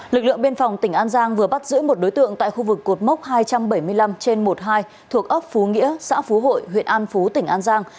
lực lượng biên phòng tỉnh an giang vừa bắt giữ một đối tượng tại khu vực cột mốc hai trăm bảy mươi năm trên một mươi hai thuộc ấp phú nghĩa xã phú hội huyện an phú tỉnh an giang